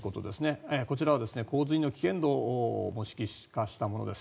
こちらは洪水の危険度を模式化したものです。